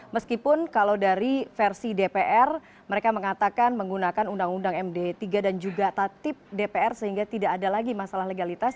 meskipun kalau dari versi dpr mereka mengatakan menggunakan undang undang md tiga dan juga tatip dpr sehingga tidak ada lagi masalah legalitas